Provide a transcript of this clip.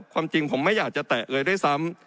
ความจริงผมไม่อยากจะแตะเลยด้วยซ้ำ